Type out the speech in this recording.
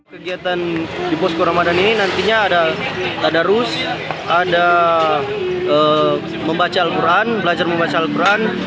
kegiatan di posko ramadan ini nantinya ada tadarus ada membaca al quran belajar membaca al quran